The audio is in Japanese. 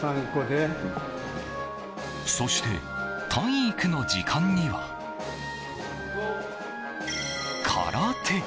そして、体育の時間には空手。